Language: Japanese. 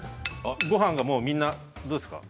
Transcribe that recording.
ごはんがもうみんなどうですか？